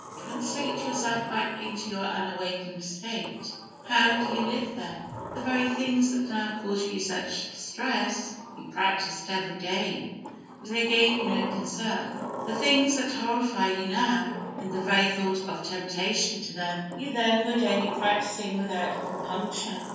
Translate yourself back into your unawakened state. How did you live then? The very things that now cause you such distress, you practised every day, and they gave you no concern. The things that horrify you now, in the very thought or temptation to them, you then were daily practising without compunction.